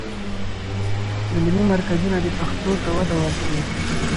علمي مرکزونه دې پښتو ته وده ورکړي.